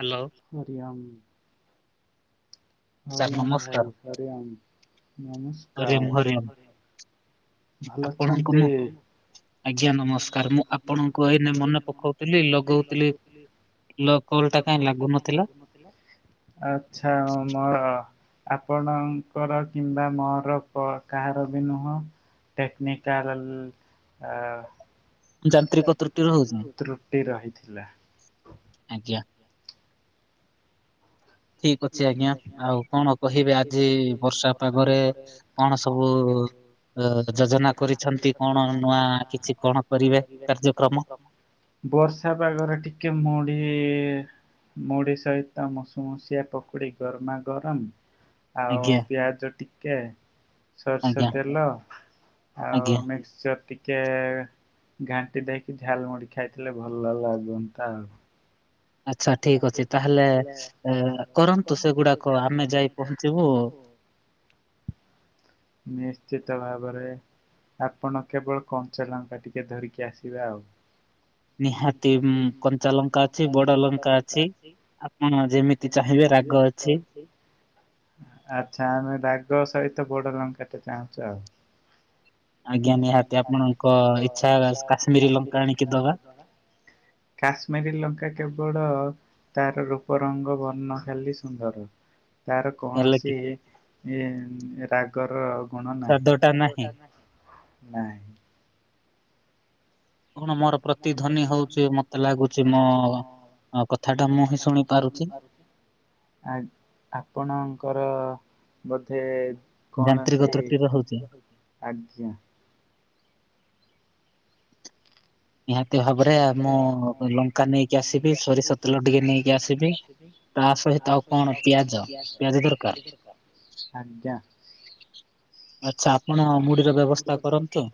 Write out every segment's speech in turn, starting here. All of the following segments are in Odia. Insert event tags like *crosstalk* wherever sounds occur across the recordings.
ହ୍ୟାଲୋ। ମରି ଆମ୍। ହରିଓମ୍ ଭାଇ, ହରିଓମ। *inaudible* ହରିଓମ, ହରିଓମ, ଆପଣଙ୍କୁ ମୁଁ ଆଜ୍ଞା ନମସ୍କାର, ମୁଁ ଆପଣଙ୍କୁ ଏଇନେ ମନେ ପକଉଥିଲି, ଲଗଉଥିଲି। ଫୋନଟା କାହିଁ ଲାଗୁନଥିଲା? ଆଛା ମୋର ଆପଣଙ୍କର କିମ୍ବା ମୋର କାହାର ବି ନୁହଁ। ଟେକ୍ନିକାଲ ଓ ଯାନ୍ତ୍ରିକ ପଟରୁ ତ୍ରୁଟି ରହିଥିଲା। ଆଜ୍ଞା। ଠିକ ଅଛି ଆଜ୍ଞା, ଆଉ କଣ କହିବେ ଆଜି ବର୍ଷା ପାଗରେ କଣ ସବୁ ଯୋଜନା କରିଛନ୍ତି, କଣ ନୂଆ କିଛି କଣ କରିବେ କାର୍ଯ୍ୟକ୍ରମ? ବର୍ଷା ପାଗରେ ଟିକେ ମୁଢ଼ି, ମୁଢି ସହିତ ମସୁମୁସିଆ ପକୁଡ଼ି ଗରମା ଗରମ, ଆଉ ପିଆଜ ଟିକେ। ସରିଷ ତେଲ, ଆଉ ମିକ୍ସଚର୍ ଟି ଟିକେ ଘାଣ୍ଟି ଦେଇକି ଝାଲମୁଡି ଖାଇଥିଲେ ଭଲ ଲାଗନ୍ତା ଆଉ। ଆଚ୍ଛା ଠିକ ଅଛି ତାହେଲେ କରନ୍ତୁ ସେଗୁଡାକ। ଆମେ ଯାଇ ପହଞ୍ଚିବୁ। ନିଶ୍ଚିତ ଭାବରେ। ଆପଣ କେବଳ କଞ୍ଚା ଲଙ୍କା ଟିକେ ଧରିକି ଆସିବେ ଆଉ। ନିହାତି କଞ୍ଚା ଲଙ୍କା ଅଛି। ବଡ ଲ ଲଙ୍କା ଅଛି, ଆପଣ ଯେମିତି ଚାହିଁବେ ରାଗ ଅଛି। *unintelligible* ଆଚ୍ଛା ଆମେ ରାଗ ସହିତ ବଡ ଲଙ୍କାଟେ ଚାହୁଁଛୁ ଆଉ। ଆଜ୍ଞା ନିହାତି ଆପଣଙ୍କ ଇଚ୍ଛା କାଶ୍ମୀରୀ ଲଙ୍କା ଆଣିକି ଦବା। କାଶ୍ମୀରୀ ଲଙ୍କା। କେବଳ ତାର ରୂପ ରଙ୍ଗ ବର୍ଣ୍ଣ ଖାଲି ସୁନ୍ଦର। ତାର କୌଣସି ରାଗର ଗୁଣ ନାହିଁ। ଟୋଟାଲ ନାହିଁ। ନାଇଁ। କଣ ମୋର ପ୍ରତି ଧ୍ୱନୀ ହଉଛି, ମତେ ଲାଗୁଛି ମୋ କଥାଟା ମୁଁ ହିଁ ଶୁଣି ପାରୁଛି। ଆ ଆପଣଙ୍କର ବୋଧେ କୌଣସି ଆଜ୍ଞା। ନିହାତି ଭାବରେ ମୁଁ ଲଙ୍କା ନେଇକି ଆସିବି, ସୋରିଷ ତେଲ ଟିକେ ନେଇକି ଆସିବି। ତା ସହିତ ଆଉ କଣ ପିଆଜ? ପିଆଜ ଦରକାର। ଆଜ୍ଞା। ଆଛା ଆପଣ ମୁଢିର ବ୍ୟବସ୍ଥା କରନ୍ତୁ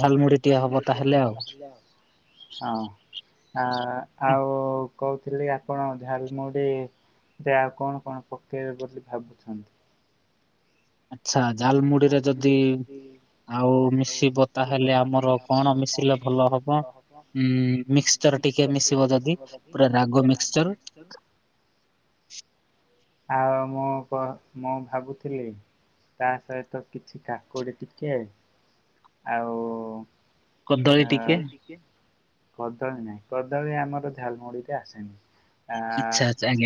ଝାଲ ମୁଢି ଟିକେ ହବ ତାହେଲେ ଆଉ। ହଁ ଆ ଆଉ କହୁଥିଲି ଆପଣ ଝାଲମୁଢ଼ି ସେ ଆଉ କଣ କଣ ପକେଇବେ ବୋଲି ଭାବୁଛନ୍ତି? ଆଚ୍ଛା ଝାଲ୍ ମୁଢ଼ିରେ ଯଦି ଆଉ ମିଶିବ ତାହେଲେ ଆମର କଣ ମିଶିଲେ ଭଲ ହବ? ଉଁ ମିକ୍ସ କ୍ଚର୍ ଟିକେ ମିଶିବ ଯଦି ପୁରା ରାଗ ମିକ୍ସଚର୍ ଆଉ ମୁଁ କ ମୁଁ ଭାବୁଥିଲି ତା ସହିତ କିଛି କାକୁଡ଼ି ଟିକେ ଆଉ ଆ କଦଳୀ ନାହିଁ କଦଳୀ ଆମର ଝାଲମୁଢ଼ିରେ ଆସେନି। ଆ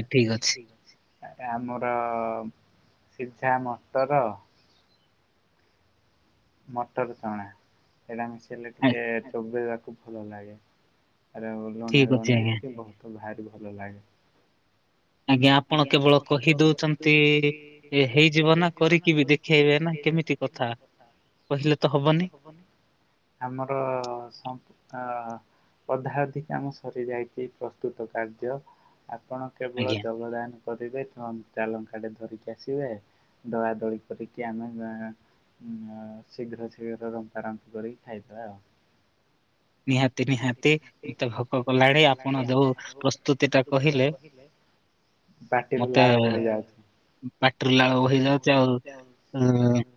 ଆ ଆ ଆମର ସିଝା ମଟର ମଟର ଚଣା ସେଇଟା ମିଶେଇଲେ ଟିକେ ଚୋବେଇବାକୁ ଭଲ ଲାଗେ ଆ ଲୁଣିଆ ଲୁଣିଆ ହେଇଥିବ ମତେ ଭାରି ଭଲ ଲାଗେ। ଆଜ୍ଞା ଆପଣ କେବଳ କହିଦଉଛନ୍ତି ହେଇଯିବ ନା କରିକି ବି ଦେଖେଇବେ ନା। କେମିତି କଥା? ଆମର ସଂସ୍ଥା ଅଧା ଅଧି କାମ ସରିଯାଇଛି ପ୍ରସ୍ତୁତ କାର୍ଯ୍ୟ ଆପଣ କେବଳ ଯୋଗଦାନ କରିବେ କଞ୍ଚା ଲଙ୍କା ଟେ ଧରିକି ଆସିବେ ଦଳା ଦଳି କରିକି ଆମେ ଆ ଆ ଶୀଘ୍ର ଶୀଘ୍ର ରମ୍ପା ରମ୍ପି କରିକି ଖାଇଦବା ଆଉ। ନିହାତି ନିହାତି ଭୋକ ହେଲାଣି ଆପଣ ଯୋଉ ପ୍ରସ୍ତୁତିଟା କହିଲେ ପାଟିରେ ଲାଳ ବୋହି ଯାଉଛି। ପାଟିରୁ ଲାଳ ବୋହିଯାଉଛି ଆଉ ଉଁ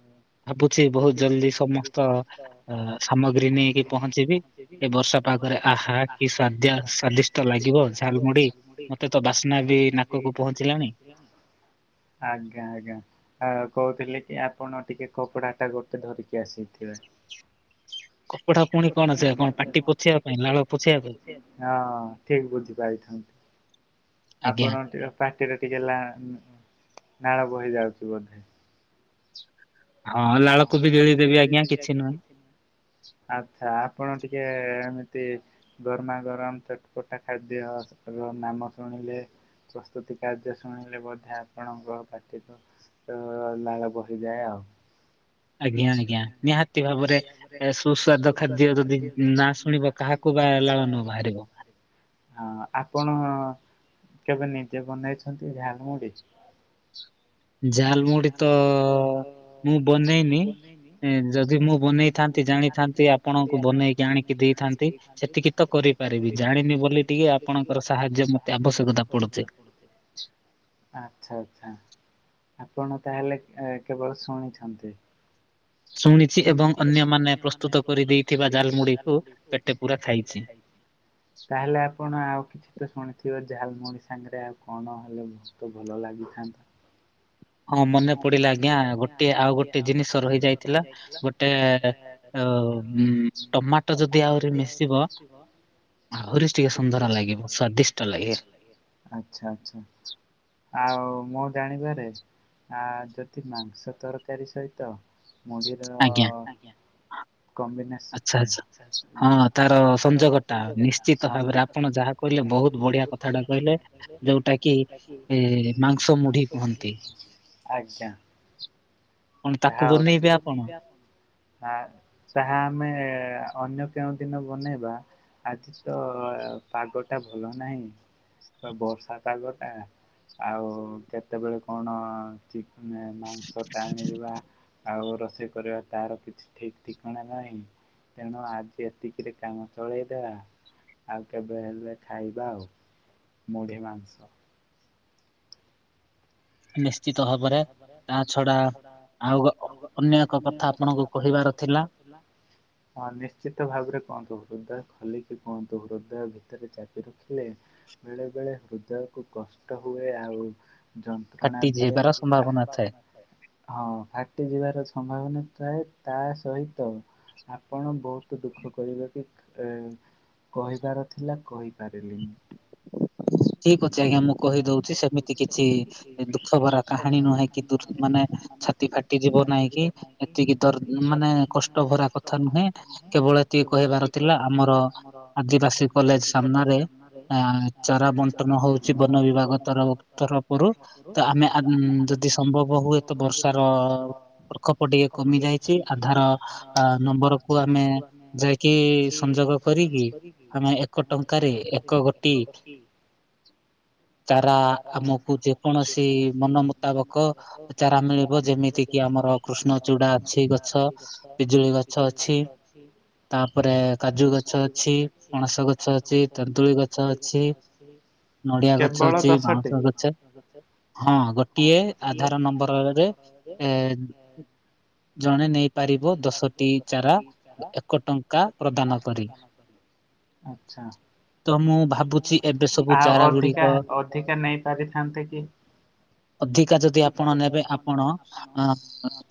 ଭାବୁଛି ବହୁତ ଜଲଦି ସମସ୍ତ ଅ ସାମଗ୍ରୀ ନେଇକି ପହଞ୍ଚିବି। ଏ ବର୍ଷା ପାଗରେ ଆହା କି ସ୍ୱାଦ୍ୟା ସ୍ୱାଦିଷ୍ଟ ଲାଗିବ ଝାଲ୍ ମୁଢ଼ି ମ ତେ ତ ବାସ୍ନା ବି ନାକକୁ ପହଞ୍ଚିଲାଣି। ଆଜ୍ଞା ଆଜ୍ଞା ଆ କହୁଥିଲି କି ଆପଣ ଟିକେ କପଡା ଟା ଗୋଟେ ଧରିକି ଆସିଥିବେ। କପଡ଼ା ପୁଣି କଣ ସେ କଣ ପାଟି ପୋଛିବା ପାଇଁ ଲାଳ ପୋଛିବା ହଁ ଠିକ୍ ବୁଝିପାରିଥାନ୍ତି। ଆପଣ ଟିଅ ପାଟିରେ ଟିକେ ଲା ନାଳ ବୋହି ଯାଉଛି ବୋଧେ। ହଁ ଲାଳ କୁ ବି ଗିଳିଦେବି ଆଜ୍ଞା କିଛି ନୁହେଁ। ଆଚ୍ଛା ଆପଣ ଟିକେ ଏମିତି ଗର୍ମା ଗରମ ଚଟପଟା ଖାଦ୍ୟ ସକାଳୁ ନାମ ଶୁଣିଲେ ପ୍ରସ୍ତୁତି କାର୍ଯ୍ୟ ଶୁଣିଲେ ବୋଧେ ଆପଣଙ୍କ ପାଟି ରୁ ତ ଲାଳ ବୋହିଯାଏ ଆଉ। ଆଜ୍ଞା ଆଜ୍ଞା ନିହାତି ଭାବରେ ସୁସ୍ୱାଦ ଖାଦ୍ୟ ଯଦି ନା ଶୁଣିବ କାହାକୁ ବା ଲାଳ ନ ବାହାରିବ। ହଁ ଆପଣ କେବେ ନିଜେ ବନେଇଛନ୍ତି ଝାଲ୍ ମୁଢ଼ି? ଝାଲ ମୁଢ଼ି ତ ମୁଁ ବନେଇନି ଯଦି ମୁଁ ବନେଇଥାନ୍ତି ଜାଣିଥାନ୍ତି ଆପଣଙ୍କୁ ବନେଇକି ଆଣିକି ଦେଇଥାନ୍ତି ସେତିକି ତ କରିପାରିବି ଜାଣିନି ବୋଲି ଟିକେ ଆପଣଙ୍କର ଶା ଆଚ୍ଛା ଆଚ୍ଛା। ଆପଣ ତାହେଲେ ଆ କେବଳ ଶୁଣିଛନ୍ତି। ଶୁଣିଛି ଏବଂ ଅନ୍ୟମାନେେ ପ୍ରସ୍ତୁତ କରି ଦେଇଥିବା ଝାଲ୍ ମୁଢ଼ିକୁ ପେଟ ପୁରା ଖାଇଛି। ତାହେଲେ ଆପଣ ଆଉ କିଛି ତ ଶୁଣିଥିବେ ଝାଲ୍ ମୁଢ଼ି ସାଙ୍ଗରେ ଆଉ କଣ ହେଲେ ତ ଭଲ ଲାଗିଥାନ୍ତା। ହଁ ମନେ ପଡିଲା ଆଜ୍ଞା ଗୋଟେ ଆଉ ଗୋଟେ ଜିନିଷ ରହି ଯାଇଥିଲା ଗୋଟେ ଅ ମ ଟମାଟୋ ଯଦି ଆହୁରି ମିଶିବ ଆହୁରି ଟିକେ ସୁନ୍ଦର ଲାଗିବ ସ୍ଵାଦିଷ୍ଟ ଲାଗେ। ଆଚ୍ଛା ଆଚ୍ଛା ଆଉ ମୋ ଜାଣିବାରେ ଆ ଯଦି ମାଂସ ତରକାରୀ ସହିତ ମୁଢ଼ିର ଆଜ୍ଞା। କମ୍ବନା ଆଚ୍ଛା, ଆଚଛା ହଁ ତାର ସଂଯୋଗ ଟା ନିଶ୍ଚିତ ଭାବରେ ଆପଣ ଯାହା କହିଲେ ବହୁତୁ ବଢିଆ କଥାଟା କହିଲେ, ଯୋଉଟା କି ଏ ମାଂସ ମୁଢି କୁହନ୍ତି। ଆଛା *unintelligible* ତାହା ଆମେ ଅନ୍ୟ କେଉଁ ଦିନ ବନେଇବା। ଆଜି ତ ପାଗଟା ଭଲ ନାଇଁ। ବର୍ଷା ପାଗଟା ଆଉ କେତେବେଳେ କଣ ଚି ମାଂସ ଟାଣି ଯିବା ଆଉ ରୋଷେଇ କରିବା ତାର କିଛି ଠିକ୍ ଠିକଣା ନାଇଁ। ତେଣୁ ଆଜି ଏତିକିରେ କାମ ଚଳେଇଦେବା ଆଉ କେବେ ହେଲେ ଖାଇବା ଆଉ ମୁଢି ମାଂସ। ନିଶ ନିଶ୍ଚିତ ଭାବରେ ତା ଛଡା ଆଉ ଅନ୍ୟ ଏକ କଥା ଆପଣଙ୍କୁ କହିବାର ଥିଲା। ହଁ ନିଶ୍ଚିତ ଭାବରେ କୁହନ୍ତୁ ହୃଦୟ ଖୋଲିକି କୁହନ୍ତୁ ହୃଦୟ ଭିତରେ ଚାକି ରଖିଲେ ବେଳେ ବେଳେ ହୃଦୟକୁ କଷ୍ଟ ହୁଏ ଆଉ ଯନ୍ତ୍ରଣା ବାବନ *unintelligible* ହଁ ଫାଟି ଯିବାର ସମ୍ଭାବନା ଥାଏ ତା ସହିତ ଆପଣ ବହୁତୁ ଦୁଃଖ କରିବେ କି ଏ କହିବାର ଥିଲା କହିପାରିଲିନି। ଠିକି ଅଛି ଆଜ୍ଞା ମୁଁ କହି ଦଉଚି ସେମିତି କିଛି ଦୁଃଖ ଭରା କାହାଣୀ ନୁହେଁ କିନ୍ତୁ ମାନେଛ ଫାଟିଯିବ ନାଇଁ କି ଏତିକି ଦ ମାନେ କଷ୍ଟ ଭରା କଥା ନୁହେଁ କେବଳ କହିବାର ଥିଲା ଆମର ଆଦିବାସୀ କଲେଜ ସାମ୍ନାରେ ଚାର ବଂ ନ ହଉଚି ବନ ବିଭାଗର ତର ତରଫରୁ ତ ଆମେ ଆ ଯଦି ସମ୍ଭବ ହୁଏ ତ ବର୍ଷାର ପ୍ରକୋପ ଟିକେ କମି ଯାଇଚି ଆଧାର ନମ୍ବର ଆମେ ଯାଇକି ସଂଯୋଗ କରିକି ଆମେ ଏକ ଟଙ୍କାରେ ଏକ ଗୋଟି ବତି *unintelligible* ଚାରା ନଖ ଯେକୌଣସି ମନମତାବକ ଚାରା ନୁ ଜମନ *unintelligible* ଆମର କୃଷ୍ଣ ପ୍ରୀଡ଼ା ଅଛି ଗଛ ବିଜୁଳି ଗଛ ଅଛି। ତାପରେ କାଜୁ ଗଛ ଅଛି ପଣସ ଗଛ ଅଛି ତେନ୍ତୁଳି ଗଛ ଅ ଗଛ ଅଛି। ନଡିଆ ଗଛ ଅଛି ବାଉଁଶ ଗଛ ହଁ ଗୋଟିଏ ଆଧାର ନମ୍ବରରେ ଏ ଜଣେ ନେଇପାରିବ ଦଶଟି ଚାରା ଏକ ଟଙ୍କା ପ୍ରଦାନ କରି। ଆଛା। ତ ମୁଁ ଭାବୁଚି ଏବେ ସବୁ ଆଉ ଅଧିକା ଅଧିକା ନେଇ ପାରିଥାନ୍ତେ କି ଅଧିକା ଯଦି ଆପଣ ନେବେ ଆପଣ ଅ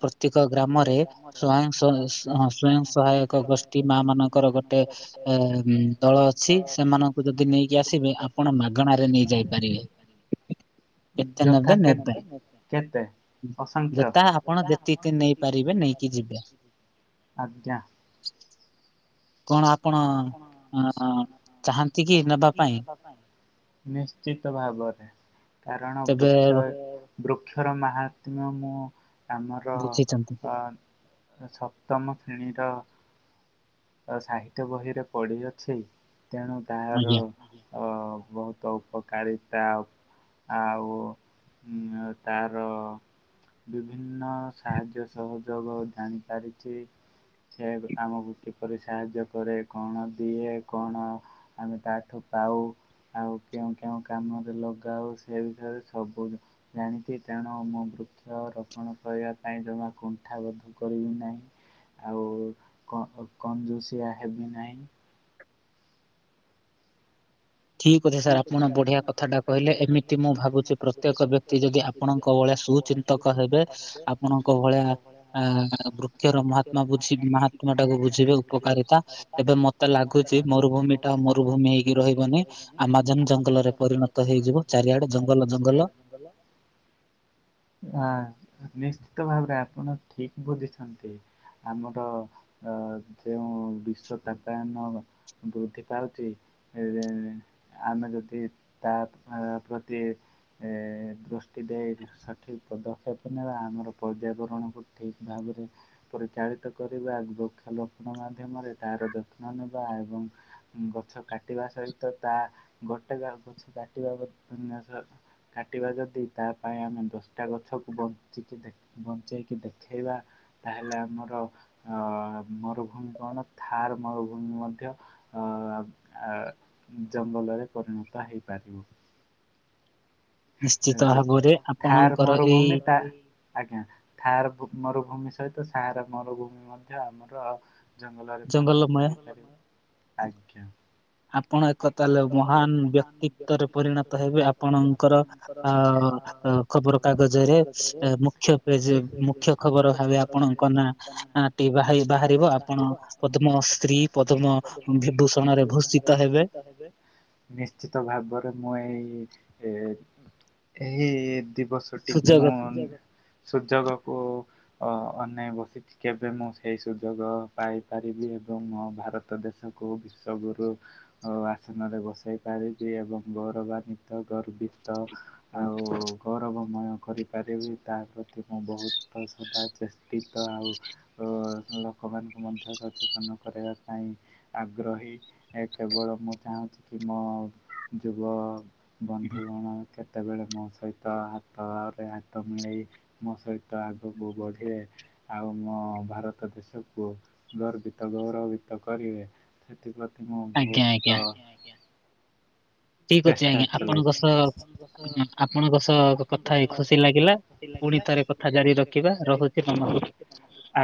ପ୍ରତ୍ୟେକ ଗ୍ରାମରେ ସ୍ଵୟଂ *unintelligible* ସ୍ଵୟଂ ସହାୟକ ଗୋଷ୍ଠୀ ମା ମାନଙ୍କର ଗୋଟେ ଏ ଦଳ ଅଛି ସେମାନଙ୍କୁ ଯ ି *unintelligible* ଆପଣ ମାଗଣାରେ ନେଇ ଯାଇପାରିବେ। ଯଥା କେନ୍ତେ କେତେ? ଅସଂଖ୍ୟ ହେଟା ଆପଣ ଯେତିକି ନେଇପାରିବେ ନେଇଯିବେ ଆଜ୍ଞା? କଣ ଆପଣ ଅ ଚାହାନ୍ତି କି ନେବା ପାଇଁ? ନିଶ୍ଚିତ ଭାବରେ କାରଣ ବୃକ୍ଷରେ ବୃକ୍ଷର ମହାତ୍ମ୍ୟ ମୁଁ ଆମର ଅ ସପ୍ତମ ଶ୍ରେଣୀର ସାହିତ୍ୟ ବହିରେ ପଢ଼ିଅଛି। ତେଣୁ ତାହାର ଅ ବୋହୁତ ଉପକାଳିତା ଆଉ ଉଁ ଅ ତାର ବିଭିନ୍ନ ସାହାଯ୍ୟ ସହଯୋଗ ଜାଣିପାରିଛି। ସେ ବି ଆମକୁ କିପରି ସାହାଯ୍ୟ କରେ କଣ ଦିଏ କଣ ଆମେ ତାଠୁ ପାଉ ଆଉ କେଉଁ କେଉଁ କାମରେ ଲଗାଉ ସେ ବିଧରେ ସବୁ। ଜାଣିଛି ତେଣୁ ମୁଁ ବୃକ୍ଷ ରୋପଣ କରିବା ପାଇଁ ଜମା କୁଣ୍ଠାବୋଧ କରିବି ନାହିଁ। ଆଉ କନ୍ କଞ୍ଜୁସିଆ ହେବି ନାହିଁ। ଠିକ୍ ଅଛେ ସାର୍ ଆପଣ ବଢିଆ କଥାଟା କହିଲେ ଏମିତି ମୁଁ ଭାବୁଛି ପ୍ରତ୍ୟେକ ବ୍ୟକ୍ତି ଯଦି ଆପଣଙ୍କ ଭଳିଆ ସୁଭଚିନ୍ତ ତକ ହେବେ ଆପଣଙ୍କ ଭଳିଆ ଆ ବୃକ୍ଷର ମହାତ୍ମା ବୁଝି ମହା ଆତ୍ମ ଟାକୁ ବୁଝିବେ ଉପକାରିତା ତେବେ ମତେ ଲାଗୁଛି ମରୁଭୂମି ଟା ମରୁଭୂମି ହେଇକି ରହିବନି। ଆମ ଆମଦାନୀ ଜଙ୍ଗଲ ଭିତରୁ ହିଁ ହୋଇଯିବ ଚାରିଆଡ଼େ ଜଙ୍ଗଲମଙ୍ଗଲ। ଆ ନିଶ୍ଚିତ ଭାବରେ ଆପଣ ଠିକ ବୁଝିଛନ୍ତି। ଆମର ଅ ଯେଉଁ ବିଶ୍ଵ ତାପାୟନ ବୃଦ୍ଧି ପାଉଛି। ଆମେ ଯଦି ତା ପ୍ରତି ଏ ଦୃଷ୍ଟି ଦେଇ ସଠିକ ପଦକ୍ଷେପ ନେବା ଆମର ପର୍ଯ୍ୟାବରଣକୁ ଠିକ୍ ଭାବରେ ପରିଚାଳିତ କରିବା ବୃକ୍ଷ ରୋପଣ ମାଧ୍ୟମରେ ତାହାର ଯତ୍ନ ନେବା ଏବଂ ଗଛ କାଟିବା ସହିତ ତା ଗୋଟେ ଗା ଗଛ କାଟିବା ମାନେ ସହ କାଟିବା ଯଦି ତା ପାଇଁ ଆମେ ଦଶଟା ଗଛକୁ ବଞ୍ଚିକି ଦେଖ ବଞ୍ଚେଇକି ଦେଖେଇବା। ତାହେଲେ ଆମର ମରୁଭୂମି କଣ ଥାର୍ ମରୁଭୂମି ମଧ୍ୟ ଅ ଆ ଜଙ୍ଗଲରେ ପରିଣତ ହେଇପାରିବ। ଏ ଥାର ମରୁଭୂମି ତା ଆଜ୍ଞା ଥାର୍ ମରୁଭୂମି ସହିତ ସହାର ମରୁଭୂମି ମଧ୍ୟ ଆମର ଜଙ୍ଗଲରେ ପରିଣତ ହେଇପାରିବ। ଆଜ୍ଞା ଆପଣ ଏକ ତାହାଲେ ମହାନ ବ୍ୟକ୍ତିତ୍ଵରେ ପରିଣତ ହେବେ ଆପଣଙ୍କର ଅ ଅ ଖବର କାଗଜରେ ମୁଖ୍ୟ ପେଜ ମୁଖ୍ୟ ଖବର ଭାବେ ଆପଣଙ୍କ ନାଁ ଆଁ ଖ ଟି ବା ବାହାରିବ ଆପଣ ପଦ୍ମ ସ୍ତ୍ରୀ ପଦ୍ମ ବିଭୂଷଣରେ ଭୂଷିତ ହେବେ ତ ହେବେ ନିଶ୍ଚିତ ଭାବରେ ମୁଁ ଏଇ ଏ ଏହି ଦିବସଟିକୁ ମୁଁ ସୁଯୋଗକୁ ଅ ଅନେଇ ବସିଚି କେବେ ମୁଁ ସେଇ ସୁଯୋଗ ପାଇପାରିବି ଏବଂ ମୋ ଭାରତ ତ ଦେଶକୁ ବିଶ୍ୱଗୁରୁ ଓ ଆସନରେ ବସାଇ ପାରିବି ଏବଂ ଗୌରବାନ୍ୱିତ ଗର୍ବିତ ଆଉ ଗୌରବମୟ କରିପାରିବି ତା ପ୍ରତି ମୁଁ ବୋହୁତ ସଦା ଚେଷ୍ଟିତ ଆଉ ଓ ଲୋକମାନଙ୍କୁ ମଧ୍ୟ ସଚେତନ କରବା ପାଇଁ ଆଗ୍ରହୀ କେବଳ ମୁଁ ଚାହୁଁଛି କି ମୋ ଯୁବ ବନ୍ଧୁଗଣ କେତ ତେବେଳେ ମୋ ସହିତ ହାତରେ ହାତ ମିଳେଇ ମୋ ସହିତ ଆଗକୁ ବଢିବେ। ଆଉ ମୋ ଭାରତ ଦେଶକୁ ଗର୍ବିତ ଗୌରବିତ କରିବେ। ସେଥିପ୍ରତି ମୁଁ ବହୁତ ଚେଷ୍ଟା ଚଲେଇଛି ଆପଣଙ୍କ ସହ, ଆପଣଙ୍କ ସହ କଥାହେଇକି ଖୁସି ଲାଗିଲା। ପୁଣିଥରେ କଥା ଜାରି ରଖିବା ରହୁଛି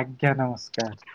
ଆଜ୍ଞା ନମସ୍କାର।